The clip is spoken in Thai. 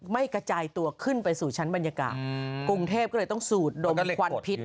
กระจายตัวขึ้นไปสู่ชั้นบรรยากาศกรุงเทพก็เลยต้องสูดดมควันพิษ